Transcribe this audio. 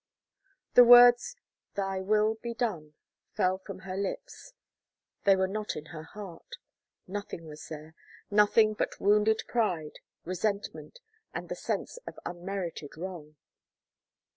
The words "Thy will be done," fell from her lips; they were not in her heart. Nothing was there, nothing but wounded pride, resentment, and the sense of unmerited wrong.